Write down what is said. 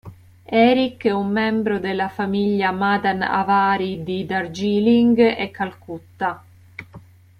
Erick è un membro della famiglia Madan-Avari di Darjeeling e Calcutta.